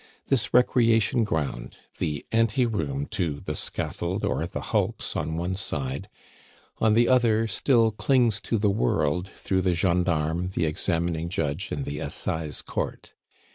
This recreation ground, the ante room to the scaffold or the hulks on one side, on the other still clings to the world through the gendarme, the examining judge, and the Assize Court.